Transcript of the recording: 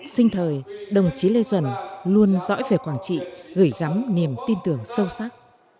sinh thời đồng chí lê duẩn luôn dõi về quảng trị gửi gắm niềm tin tưởng sâu sắc